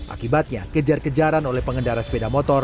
akibatnya kejar kejaran oleh pengendara sepeda motor